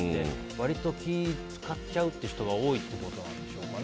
割と気を使っちゃうって人が多いってことなんでしょうかね。